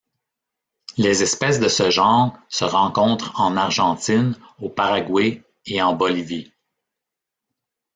Les espèces de ce genre se rencontrent en Argentine, au Paraguay et en Bolivie.